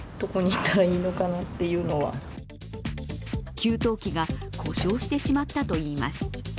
給湯器が故障してしまったといいます。